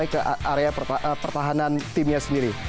ke area pertahanan timnya sendiri